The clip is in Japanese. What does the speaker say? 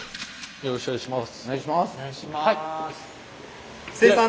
よろしくお願いします。